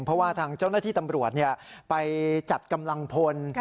เพราะว่าทางเจ้าหน้าที่ตำรวจไปจัดกำลังพล